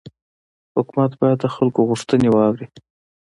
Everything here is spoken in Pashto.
حکومت باید د خلکو غوښتنې واوري